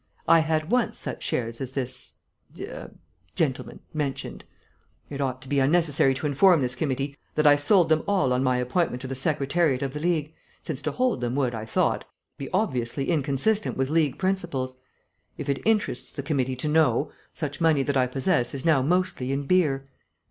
I had once such shares as this er gentleman mentioned. It ought to be unnecessary to inform this committee that I sold them all on my appointment to the Secretariat of the League, since to hold them would, I thought, be obviously inconsistent with League principles. If it interests the committee to know, such money that I possess is now mostly in beer.